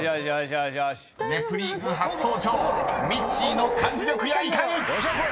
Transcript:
［『ネプリーグ』初登場ミッチーの漢字力やいかに⁉］よっしゃこい！